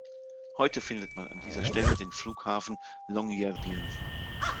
Heute findet man an dieser Stelle den Flughafen Longyearbyen.